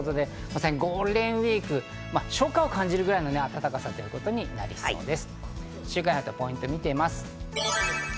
ゴールデンウイーク、初夏を感じるくらいの暖かさとなりそうです。